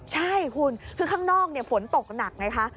ใช่คุณคือข้างนอกฝนตกหนักไงคะ